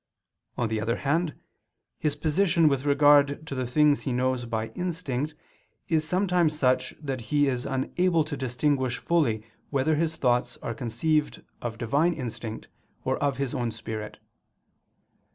On the other hand, his position with regard to the things he knows by instinct is sometimes such that he is unable to distinguish fully whether his thoughts are conceived of Divine instinct or of his own spirit.